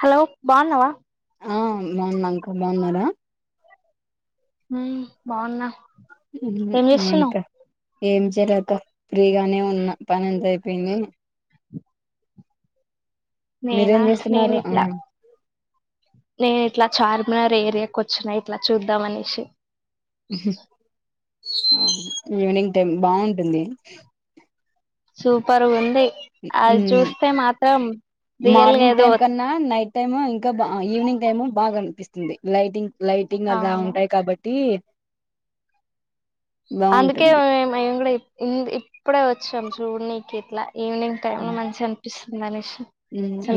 Hello బాగున్నావా ఆ బాగున్నాంక బాగున్నారా ఉ బాగున్నా ఉహు ఏం చేస్తున్నావు ఇంకా ఏం చేయలేక ఫ్రీగానే ఉన్నా పనిన్ అయ్యిపోయింది నేనా మీరేం నేను చేస్తున్నారు ఆ ఇట్లా నేను ఇట్లా చార్మినార్ ఏరియాకు వచ్చిన ఇట్లా చూద్దాం అనేసి ఉహు ఉ ఈవినింగ్ టైమ్ బాగుంటుంది సూపరు ఉంది అది ఉమ్ చూస్తే మాత్రం రియల్గా ఏదో టైమ ఇంకా బా ఈవినింగ్ టైము బాగా అనిపిస్తుంది లైటింగ్ లైటింగ్ ఆదా అవును ఉంటాయి కాబట్టి అందుకే బాగుంటుంది ఏం ఏమ్ గుడే ఈద్ ఇప్పుడే వచ్చాం చూనీకి ఇట్లా ఈవినింగ్ టైమ్ లో ఉమ్ మంచిగా అనిపిస్తుంది అనేష్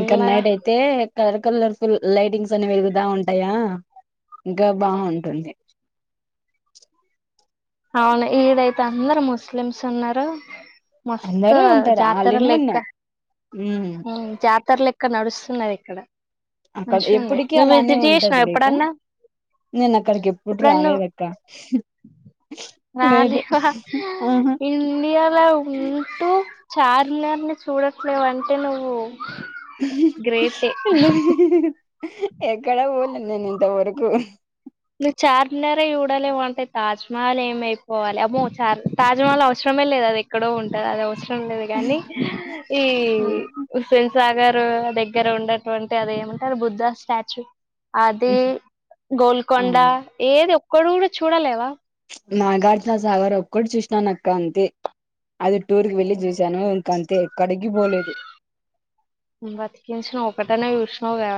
ఇంకా నైట్ అయితే కలర్ కలర్ ఫుల్ లైటింగ్స్ అనేవి వెలుగుతా ఉంటాయా ఇంకా బాగుంటుంది అవును ఈడ అయితే అందరు ముస్లిమ్స్ ఉన్నారు మస్త్ అందరూ ఉంటారు ఆల్ జాతర ఇన్ వన్ లెక్క ఉమ్ ఉ జాత్ ఇతర్ లెక్క నడుస్ అక్కడ ఎప్పటికి అలానే ఉంటది చేసినావు లేక ఎప్పుడన్నా నేను అక్కడికి ఎప్పుడు ఎప్పుడన్న నువ్వు రాలేదక్క లేదు రాలేవా ఆహా ఇండియాలో ఉంటూ చార్మినార్ని చూడట్లేవ్ అంటే నువ్వు ఇ గ్రేటే ఎక్కడ హోల్ నేన్ ఇంత వరకు నువ్ చార్మినారే చూడాలెవ్వంటే తాజ్మహల్ ఏమయిపోవాలె అమ్మో చార్ తజ్మహల్ అవసరమే లేదు అదెక్కడో ఉంటద్ అది అవస ఉండది గని ఈ సాగరూ దగ్గర ఉండకుంటే అది ఏమంటరు బుద్ధ స్టాచ్యూ అదీ గోల్ కొండా అవును ఏ ఏది ఒక్కట్గుడా చూడలేవా నాగార్జున సాగర్ ఒక్కట్ చూసినానక్క అంతే అది టూరుకి వెళ్ళి చూశాను గంతే బత్కేసిన ఒకట్ టనే చూసినవ్ గా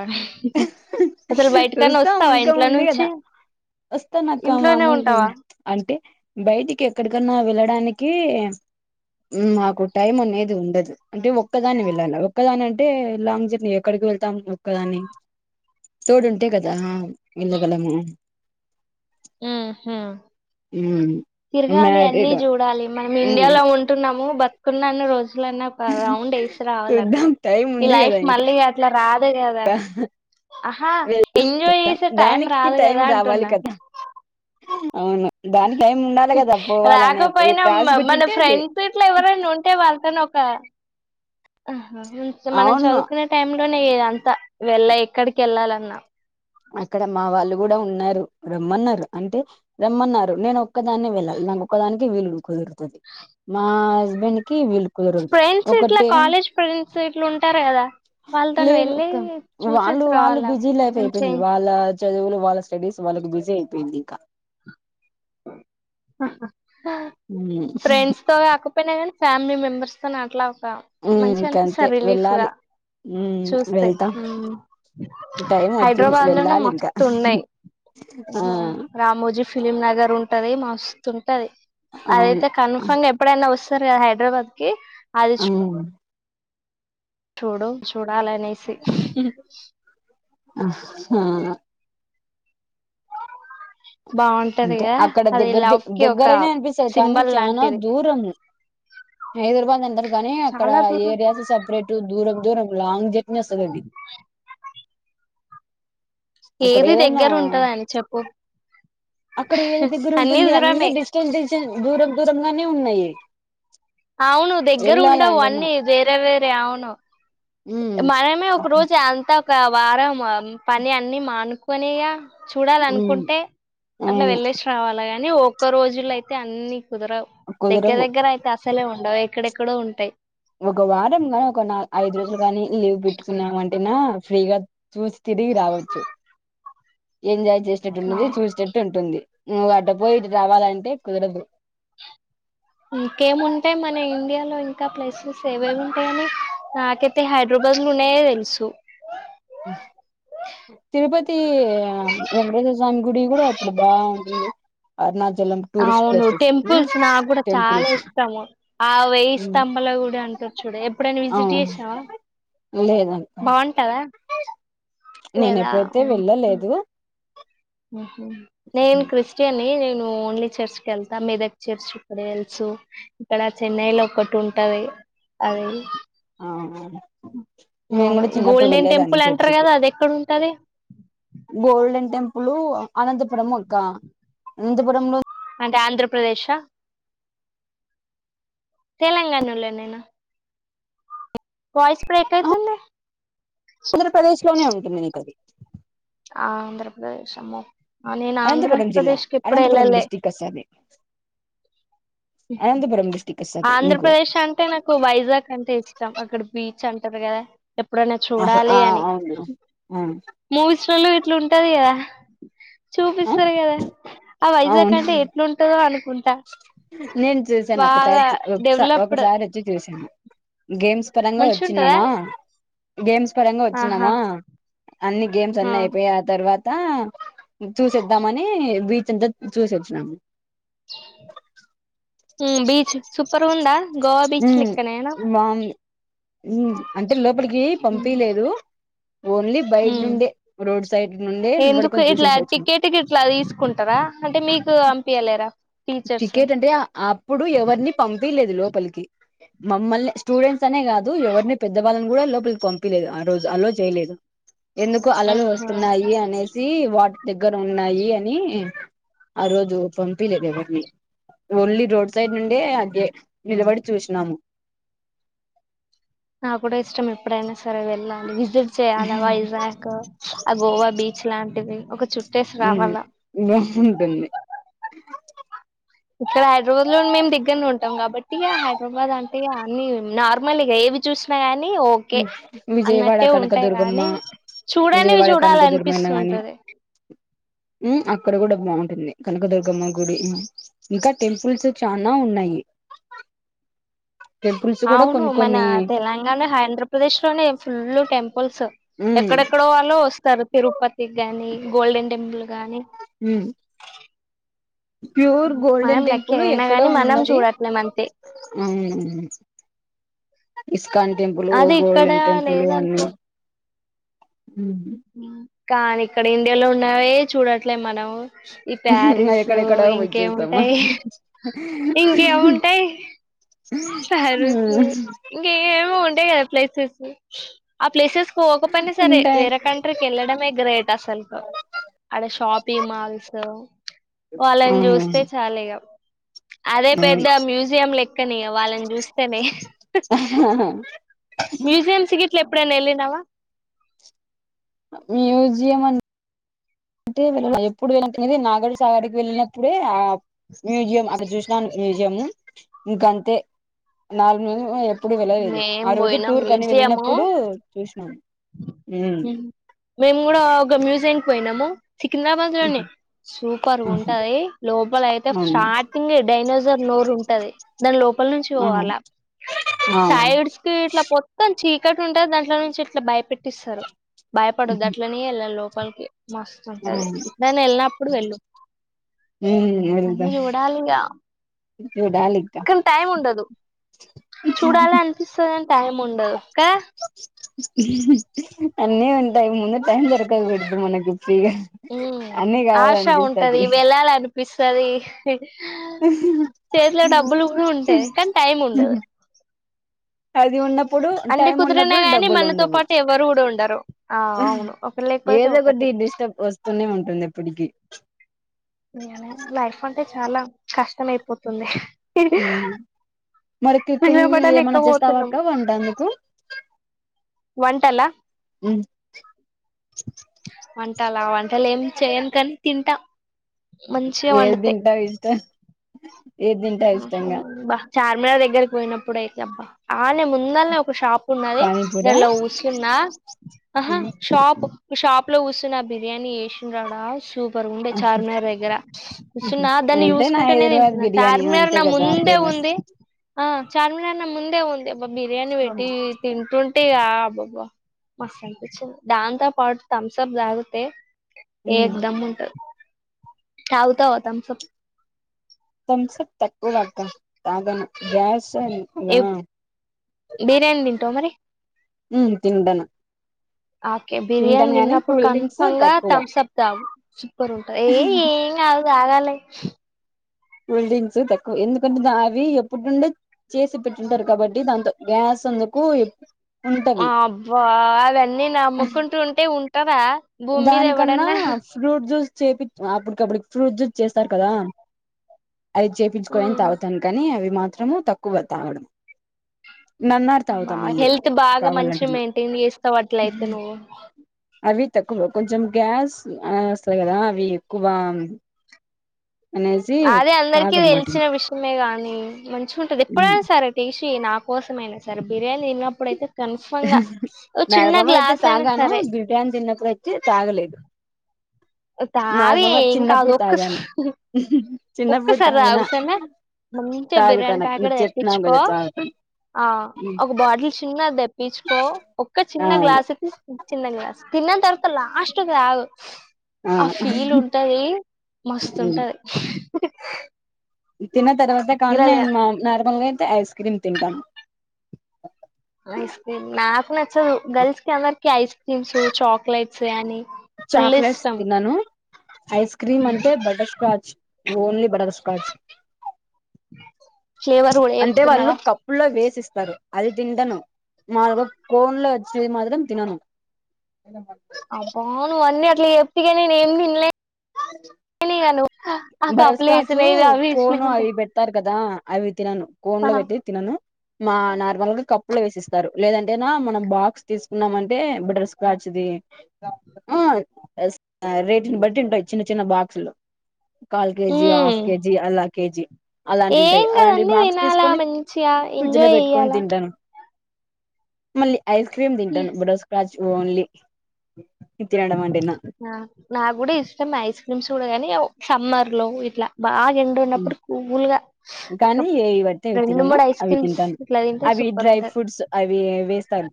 చూస్తా వస్తావా ఇంకా ఇంట్లో ఉంది నుంచి కదా వస్తా నక్క ఇంట్లోనే మామలే ఉంటావా అంటే బయటికి ఎక్కడికన్నా వెళ్ళడాని కీ మాకు టైం అనేది ఉండదు. అంటే ఒక్కదాన్నే వెళ్ళాల ఒక్కదాన్ అంటే లాంగ్ జర్నీ ఎక్కడికి వెళ్తాం ఒక్కదాన్ని తోడుంటే కదా వెళ్ళగలము మ్ హ హ్మ్. తిర్గాలి అన్నీ మ్యారీడ్ చూడాలి మనం హ్మ్. ఇండియాలో ఉంటున్నాము బతుకున్నన్ని రోజ్ లన్న పా రౌండ్ ఏసి రావాలక్క చూద్దాం టైం ఈ ఉంది కదా లైఫ్ ఇంకా మళ్ళీ అట్ల [unintelligible] అదే కదా ఆహా ఎంజాయ్ చేసే టైం దానికి రాదు టైం కదా రావాలి అంటున్నా కదా అవును దానికి టైం ఉండాలి కదా పోవాలని రాకపోయినా ఇప్పుడు రాసి మ మన పెట్టింటే అది ఫ్రెండ్స్ ఇట్ల ఎవరైనా ఉంటే వాళ్ళతోన్ తా ఆ మనం అవును చదువుకునే టైం ఇంట్లోనే ఇదంతా వెళ్ళ ఎక్కడికెళ్ళాలన్న అక్కడ మా వాళ్ళు గుడా ఉన్నరు రమ్మన్నరు అంటే రమ్మన్నారు నేన్ ఒక్కదాన్నే వెళ్ళాలి నాక్ ఒక్కదానికే వీలు కుదురుతుంది మా హస్బెండ్ కి వీలు కుదరదు ఫ్రెండ్స్ ఇట్ల ఒకటే కాలేజ్ ఫ్రెండ్స్ ఇట్లుంటార్ కదా వాళ్ళతోని లేదు వెళ్ళి అక్క వాళ్ళు చూసేసి వాళ్ళు రావాల బిజీ [unintelligible] వాళ్ళ చదువులు వాళ్ళ స్టడీస్ వాళ్ళకి బిజీ అయిపోయింది ఇంకా స ఫ్రెండ్స్తో కాకపోయిన గని ఫ్యామిలీ మెంబర్స్ తోని అట్లా మంచి ఇంకంతే అనిపిస్తారు రిలీఫ్గా వెళ్ళాలి చూస్తే వెళ్తా టైం వచ్చింది హైదరాబాద్ లోనే వెళ్ళాలి ఇంకా మస్తు ఉన్నాయి ఆ రామోజీ ఫిలిం నగర్ ఉంటది స ది అవును అదయితే కన్ఫామ్ గా ఎప్పుడైనా వస్తు వస్తారు కదా హైదరాబాద్ కి అది చోడో చోడ బాలనేసి ఆ అంటే బాగుంటదిగా అక్కడ అది దగ్గర ద లవ్ కి ఒక దగ్గరైనా అనిపిస్తుంది కానీ సింబల్ చనా లాంటిది దూరం ఐదు రూపా ఎంత కానీ అక్కడ చాలా దూరం ఏరియాస్ సపరేట్ దూరం దూరం లాంగ్ జర్నీ వస్తుంది అది అక్కడ ఏది ఏదైనా దగ్గర ఉంటదని చెప్పు అక్కడ ఏది దగ్గర ఉంటుంది అన్ని డిస్టెన్స్ దూరం దూరం నే ఉన్నాయి అవును దగ్గర ఉండవు వెళ్ళాలండి నా అన్ని వేరే వేరే అవును ఉమ్ మనమే ఒక రోజు అంత ఒక వారం పని అన్ని మానుకునేయా చూడాలి ఉమ్ అనుకుంటే అట్లా అవును వెళ్లేేసి రావాలేగాని కానీ ఒక్క రోజులో అయితే అన్ని కుదరవు దగ్గర కుదరవు దగ్గర అయితే అసలే ఉంటంది కదా ఎక్కడెక్కడో ఉంటాయి ఒక వారం ని ఒక న ఐదు రోజులు గాని లీవ్ పెట్టుకున్నా అంటనా ఫ్రీగా చూసి తిరిగి రావచ్చు ఎంజాయ్ చేసేటట్టు ఉంటుంది అవును చూసేటట్టు ఉంటుంది నువ్వు అడ్డ పోయి రావాలంటే కుదరదు ఇంకేముంటాయి మన ఇండియాలో ఇంకా ప్లేసెస్ ఏవే ఉంటాయని నాకైతే హైదరాబాద్ లో ఉన్నాయే తెలుసు తిరుపతి వెళదాం గుడి కూడా అప్పుడు బాగుంది అనా అవును టెంపుల్స్ నా కూడా చాలా టెంపుల్స్ ఇష్టము ఆ వెయయ్యి ఉమ్ స్తంభల గుడి క అంటారు చూడు ఎప్పుడైనా ఆ విజిట్ చేసావా బాగుంటదా నేన లేదా ఎప్పుడైతే వెళ్ళలేదు ఉ నేను క్రిస్టియని న నువ్వు ఓన్లీ చర్చ్ కి వెళ్తా మీ దగ్గర చర్చ్ ఇక్కడ వెలుసు ఇక్కడ చెన్నై లో ఒకటి ఉంటంది అది ఆ నేను అవును కూడా చిన్నప్పుడు గోల్డెన్ వెళ్ళేదాన్ని టెంపుల్ అంటారు చర్చికి కదా అది ఎక్కడ ఉంటది గోల్డెన్ టెంపుల్ అనంతపురం ఒక అనంతపురంలో ఆంధ్రప్రదేశ్ తెలంగాణలోనేనా వయిస్ బ్రేక్ అయితుంది ఆంధ్రప్రదేశ్ లోనే ఉంటుంది నీకు అది ఆంధ్రప్రదేశ్ అమ్మ నేను అనంతపురం జిల్లా ఆంధ్రప్రదేశ్కి ఎప్పుడు అనంతపురం వెళ్ళాలే డిస్టిక్ వస్తది అనంతపురం డిస్టిక్ వస్తది నీకు ఆంధ్రప్రదేశ్ అంటే నాకు వైజాగ్ అంటే ఇష్టం అక్కడ బీచ్ చె అంట గేర ఎప్పుడైనా ఆహా చూడాలి ఆ అని అవును ఆ మూవీస్ రాలే ఎం ట్లుంటది కదా ఆ చూపిస్తారు కదా ఆ వైజాగ్ అవును అంటే ఎట్లుంటదో అనుకుం నేను చూసాను ఒకసా డెవలప్డ్ ఒకసారి వచ్చి చూసాను గేమ్స్ పరంగా మంచిగుంటదా? వచ్చినామా గేమ్స్ పరంగా ఆహా! వచ్చినన్నామా అన్ని గేమ్స్ అన్ని అయిపోయి ఆ తర్వాత తా చూసోద్దామని బీచ్ అంతా చూసోచ్చినాము ఉమ్ బీచ్ సూపర్ ఉందా ఉ బావుంది మ్ అంటే లోపలికి పంపిలేదు ఓన్లీ బయట మ్ నుండే రోడ్ సైడ్ నుండే ఎందుకు నిలబడుకొని ఇట్లా చూసేసొచ్చినం టికెట్కి గిట్లా తీసుకుంటరా అంటే మీకు అంపైయలేరా టికెట్ అంటే అప్పుడు ఎవరిని పంపీలేదు లోపలికి మమ్మల్ని స్టూడెంట్స్ అనే కాదు ఎవరిని పెద్దవాళ్ళని కూడా లోపలకి పంపిలేదు. ఆ రోజు అలో చేయలేదు ఎందుకు అలలు హుహు. వస్తున్నాయి అనే సీ వాట్ దగ్గర ఉన్నాయి అని ఆ రోజు పంపియ్ లేదు వి ఓల్లి రోడ్ సైడ్ నుండే అంకె, నిలబడి చూస్నము. నాకుడ ఇష్టం ఎప్పుడైనా సరే వెళ్ళాలి. విజిట్ చేయాల వైజాకు ఆ గోవా బీచ్ లాంటివి ఒక చుట్టేసి ఉమ్ రావాలా. బాగుంటుంది ఇక్కడ హైడ్రబాద్ లో మేమ్ దగ్గన్నే ఉంటాం కాబట్టియ హైడ్రబాద్ అంటే య అన్ని నార్మల్లిగ ఏవి చూస్నా నీ ఓకే విజయవాడ అన్నట్టే ఉంటాయి కానీ కనకదుర్గమ్మ చూడనివి విజయవాడ చూడాలి అనిపిస్తుంటది మ్ అక్కడ కూడా బాగుంటుంది కనకదుర్గమ్మ గుడి ఇంకా టెంపుల్స్ చనా ఉన్నాయి టెంపుల్స్ కూడా అవును కొన్ని మన కొన్ని తెలంగాణ హైంద్ర ప్రదేశ్ లోనే ఫుల్ టెం పల్స్ ఎక్కడెక్కడొ వాళ్ళో వస్తారు పేరు పత్తి గాని గోల్డెన్ టెంపుల్ గానీ ప్యూర్ మనం గోల్డెన్ లక్కీ టెంపుల్ అయినా ఎక్కడో గాని మనం ఉన్నది. చూడట్లేం అంతే ఇస్ కాన్ టెంపులు, అది ఇక్కడ గోల్డెన్ టెంపులు లేదనుకో అన్ని ఉహు ఉమ్, కానీ ఇక్కడ ఇండియాలో ఉన్నవే చూడట్లే మనం ఈ ప్యారిసు ఎక్కడెక్కడో పోయి చూస్తాము ఇంకేవుంటయ్, ఇంకేవుంటయ్. సరే స ఇంకెమొ ఉ ంటే కద ప్లేసెస్సు, ఆ ప్లేసెస్ ఒక పని సరే ఉంటాయి వేరే కంట్రీకి ఎళ్ళడమే గ్రేటస్సల్కు ఆడ షాపి మాల్స్ వాళ్ళని చూస్తే అవును చాలు ఇగ అదే పెద్ద మ్యూజియం లెక్కనియవ్ నేన్ చూస్తెనే, మ్యూజియమ్స్ గిట్ల ఎప్పుడైనా ఎల్లిండవా అ మ్యూజియం అన్ అంటే వెళ్ళ ఎప్పుడు వె న్నేది నాగర్ సాగర్కి వెళ్ళినప్పుడే ఆ మ్యూజియం అట జుస్నాను మ్యూజియము ఇంక అంతే నాల్ననొజువు ఎ ప్పుడు వెళ్ళలేదు మేం ఆ రోజు పోయినాం టూర్ కని వెళ్ళినప్పుడు చూస్నాం. మేమ్ కూడా ఒక మ్యూజియంకి పోయినాము. సికింద్రాబాద్ లోనె సూపర్ ఉంటాది లోపలైతే స్టార్టింగె డైనోజర్ నోరు ఉంటది. దాన్ లో పల్ నుంచి అవును ఒవాల, ఆ సైడ్స్ కి ఇట్ల పొత్తం చి కటు ఉంటాది దాంట్లోనుంచి ఇట్ల భయపెట్టిస్సరు. భయపడద్దు అట్లనే వెళ్లాలి లోపలికి లోపలికి మస్తు ఉంటది ఎప్పునైనా ఎళ్ళ్నప్పుడు వెళ్ళు, వెళ్దా అన్నీ చూడాలిగా చూడాలి ఇంకా కానీ టైం ఉండదు, చూడాల అనిపిస్సదని టైం ఉండదు క అ అన్నీ ఉంటయ్ ముందు టైమ్ దొరకదు మనకి ఫ్రీగా హు అన్నీ ఆశ ఉంటది కావాలనిపిస్తది వెళ్ళాలనిపిస్స్ సరే కూడా ఉంటాయి. కానీ టైం ఉండదు. [inaudible] అది ఉన్నప్పుడు అంటే టైం కుదిరినా ఉన్నప్పుడు గాని డబ్బులు మనతో ఉండవు పాటు ఎవ్వరు కూడా ఉండరు ఆ అవును ఒక లేకపోతే ఒకటి అంటుంది ఎప్పటికీ నే లైఫ్ అంటే చాలా కస్ కష్టం అయిపోతుంది మరికు ఏమన్నా చేస్తావా అక్క వంట ఎందుకు వంటలా వంటల వంటలు ఏం చేయను కానీ తింటా మంచిగా ఏ వండుతే. తింటా ఇంకా ఏది తింటా ఆహా! ఇష్టంగా అబ్బా చార్మినార్ దగ్గరకి పోయినప్పుడుయిబ్బా ఆనే ముందల్నే ఒక షాప్ ఉన్నది పానీపూరా దానిలో ఊసున్నా ఆహా షాప్ షాప్ లో కూస్తున్న ఆ బిర్యానీ చేసిన రాడా బిర్యాని ఉండే చార్మినార్ దగ్గర కూసున్న దాన్ని అంటే చూసుకుంటూ నా కుంటేనే హైదరాబాద్ తింటున్నా బిర్యానీ టార్మినార్ అంతే నా కదా ముందే ఫేమస్ ఉంది ఆ చార్మిన నా ముందే ఉంది బ బిర్యానీ పెట్టి తింటుంటేగా బాబ్బ మస్ అనిపించింది దాంతో పాటు థమ్స్ అప్ దాగితే ఏక్ దమ్ము ఉంటారు తాగుతావా తంసప్ తంసప్ తక్కువ తాగుతాను గ్యాస్ ఏ బిర్యానీ తింటావా మరి మ్మ్ తింటన ఓకే బిర్యానీ తిన్నప్పుడు డ్రింక్స్ కఫంగా తక్కువ థమ్స్ అప్ తగు సూపర్ ఉంటంది ఏ ఏం కాదు [unintelligible] హల్డింగ్స్ తక్కువ ఎందుకంటే అవి ఎప్పుడు నుండే చేసి పెట్టింటారు కాబట్టి దాంతో గ్యాస్ అందుకు ఉంటవి అబ్బా అవన్నీ నమ్ముకుంటు ఉంటే ఉంట ఉంటావా దాని కన్నా ఫ్రూట్ జ్యూస్ చేపి అప్పటికప్పుటికి ఫ్రూట్ జూస్ చేస్తారు కదా అది చేపించుకని ఉమ్ తాగుతాను కానీ అవి మాత్రం మాత్రము తక్కువ తాగడం నన్నార్ తాగుతా బ మళ్ళీ హెల్త్ బాగా మంచి కావాలంటే మెయింటైన్ చేస్తా అట్లయితే నువ్వు అవి తక్కువ కొంచెం గ్యాస్ వస్తాయి కదా అవి ఎక్కువ అనేసి అదే అందరికీ తాగం వాటిని తెలిచిన విషయమే గాని మంచిగా ఉంటది ఎప్పుడైనా సరే టీష నా కోసమయినా సార్ బిర్యానీ తిన్నప్పుడు అయితే నర్మల గా అయితే అయినా తాగాను సరే బిర్యానీ తిన్నప్పుడు ఐతే తాగలేదు తాగు నార్మల్గా ఏం కాదు చిన్నప్పుడు తాగాను ఒక్కసారి చిన్నప్పుడు ఒక్కసారి తాగిన తాగు సరేనా మంచిగా బిర్యానీ తాగుతాను ప్యాకెట్ నువ్వు చెప్తున్నావు తెప్పించుకో కదా తాగుతాను ఆ ఒక బాటిల్ చిన్న పీచుకో ఒక్క ఆ చిన్న గ్లాస్ తీ చిన్న గ్లాస్ తిన్నంత తర్వాత లాస్ట్ తగు ఆ ఫీల్ ఉంటది మస్తుంటది ఇ తిన్న తర్వాత కాల గిరాలు నేను మా నార్మల్గా ఐస్ క్రీమ్ తింటం ఐస్ క్రీమ్ నాకు నచ్చదు గర్ల్స్ సయానీ చాక్లేెట్స్ తినను ఐస్ క్రీమ్ అంటే butter scotch only butter scotch flavour కూడా చెపుతున్నావా తారు అది తింటను మా కోన్ లో వచ్చి మాత్రం తినను అబ్బా నువ్వు అన్ని అట్లా చెప్తే ఈగ నేను ఏం తినలే ఆ బటర్ కప్పులు స్కాచ్ వేసినవి అవి కోను వేసినవి అంతే అవి పెడతారు కదా అవి తినను కోన్ లో ఆహా పెట్టి తినను మా నార్మల్ గా కప్పులో వేసేస్తాను లేదంటేనా మనం బాక్స్ తీసుకున్నామంటే బటర్ స్కచ్ది ఆ రేట్ ని బట్టి ఉంటయీ చిన్న చిన్న బాక్సులు కాల్ కేజి ఆఫ్ ఉమ్ కేజి అలా కేజి ఏం కాదు అన్ని తినాలా మంచిగా ఫ్రిడ్జ్ లో ఎంజాయ్ పెట్టుకొని చెయ్యాలా తింటాను మళ్ళీ ఐస్ క్రీమ్ తిను బటర్ స్క్రాచ్ ఓన్లీ ఇది తినడ ఆ నా కూడా ఇస్త ఐస్ క్రీమ్స్ కూడా కానీ సమ్మర్ లో ఇట్లా బాగా ఎండ ఉన్నప్పుడు కూల్ గా ఒక కానీ ఏవి పడితే అవి రెండు తినను మూడు ఐస్ అవి క్రీమ్స్ తింటాను ఇట్లా తింటే అవి సూపర్ డ్రై ఉంటది ఫ్రూట్స్ అవి వేస్తారు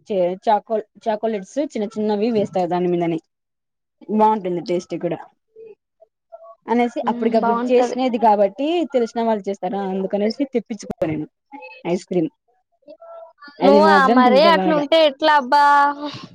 చాకోల్ చాకోలేెట్స్ చిన్న చిన్నవి వేస్తాయి దాని మీదనే బాగుంటుంది టేస్ట్ కూడా అనేసి ఉమ్, అప్పటికప్పుడు బాగుంటది చేసినది కాబట్టి తెలిసినా వాళ్ళు చేస్తారా అందుకనేసి తెప్పించుకో నను ఐస్ క్రీమ్ అది నువ్వు ఆ మాత్రం మరే తింటే బాగా అట్లుంటే ఎట్లా అబ్బా